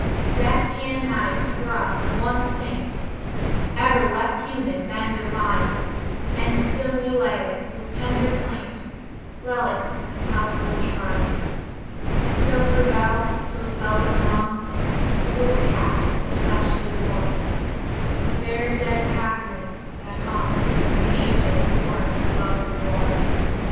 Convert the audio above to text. Death canonized for us one saint, Ever less human than divine, And still we lay, with tender plaint, Relics in this household shrine The silver bell, so seldom rung, The little cap which last she wore, The fair, dead Catherine that hung By angels borne above her door.